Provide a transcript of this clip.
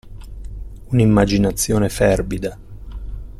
Un'immaginazione fervida.